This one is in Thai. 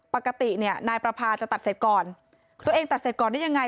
ปกติเนี่ยนายประพาจะตัดเสร็จก่อนตัวเองตัดเสร็จก่อนได้ยังไง